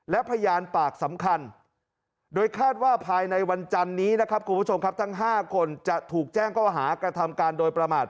และพยานปากสำคัญโดยคาดว่าภายในวันจันนี้ทั้ง๕คนจะถูกแจ้งข้อหากธรรมการโดยประมาท